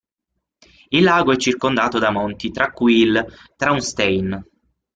Il lago è circondato da monti tra cui il Traunstein.